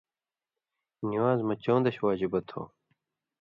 نِوان٘ز مہ چٶن٘دَش واجِبہ تھو: